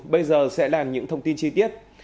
bây giờ sẽ là những thông tin chi tiết